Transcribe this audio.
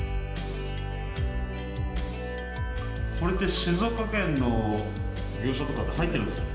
これって静岡県の業者とかって入ってるんですか？